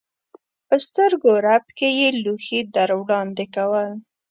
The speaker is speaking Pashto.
په سترګو رپ کې یې لوښي در وړاندې کول.